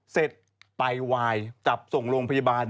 เสร็จไปวายจับส่งโรงพยาบาล